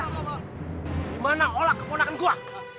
eh gimana olah keponakan gua